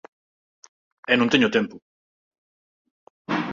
E non teño tempo